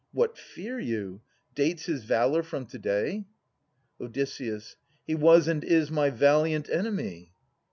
What fear you ? Dates his valour from to day ? Od. He was and is my valiant enemy.